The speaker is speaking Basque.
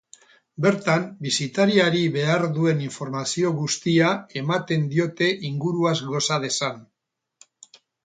Bertan, bisitariari behar duen informazio guztia ematen diote inguruaz goza dezan.